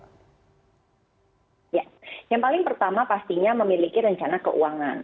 ya yang paling pertama pastinya memiliki rencana keuangan